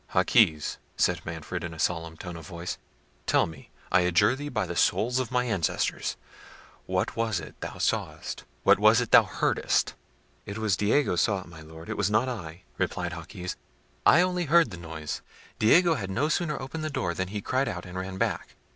"Jaquez," said Manfred, in a solemn tone of voice; "tell me, I adjure thee by the souls of my ancestors, what was it thou sawest? what was it thou heardest?" "It was Diego saw it, my Lord, it was not I," replied Jaquez; "I only heard the noise. Diego had no sooner opened the door, than he cried out, and ran back.